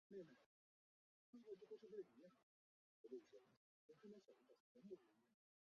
薄瓣节节菜为千屈菜科节节菜属下的一个种。